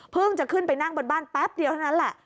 จะขึ้นไปนั่งบนบ้านแป๊บเดียวเท่านั้นแหละ